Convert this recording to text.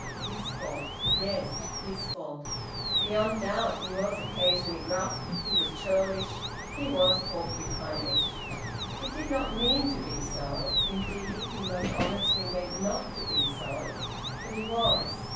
His fault! Yes, his fault! Beyond doubt he was occasionally gruff, he was churlish, he was porcupinish. He did not mean to be so indeed he most honestly meant not to be so but he was.